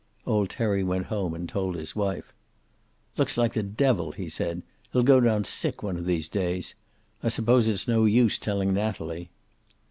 Old Terry went home and told his wife. "Looks like the devil," he said. "He'll go down sick one of these days. I suppose it's no use telling Natalie."